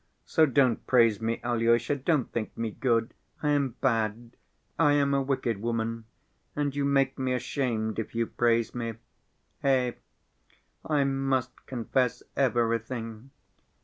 So don't praise me, Alyosha, don't think me good, I am bad, I am a wicked woman and you make me ashamed if you praise me. Eh, I must confess everything.